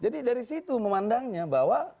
dari situ memandangnya bahwa